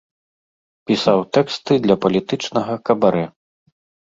Пісаў тэксты для палітычнага кабарэ.